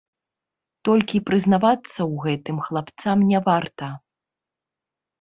Толькі прызнавацца ў гэтым хлапцам не варта.